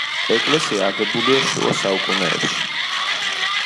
ეკლესია აგებულია შუა საუკუნეებში.